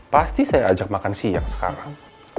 pasti saya ajak makan siang sekarang